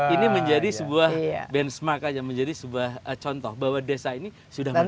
ini menjadi sebuah benchmark aja menjadi sebuah contoh bahwa desa ini sudah menjadi